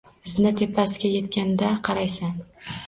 Zina tepasiga yetganda qaraysan.